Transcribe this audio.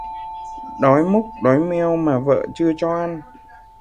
Đói mốc đói meo mà vợ chưa cho ăn